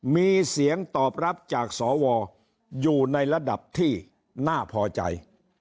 มีเสียงตอบรับจากสวอยู่ในระดับที่น่าพอใจ